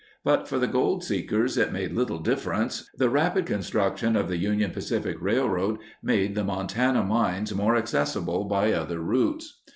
But for the gold seekers it made little difference: the rapid construction of the Union Pacific Railroad made the Montana mines more accessible by other routes.